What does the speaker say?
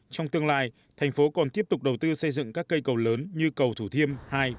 trong tương lai tp hcm còn tiếp tục đầu tư xây dựng các cây cầu lớn như cầu thủ thiêm hai ba bốn